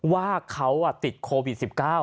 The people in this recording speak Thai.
ว่าเขาติดโควิด๑๙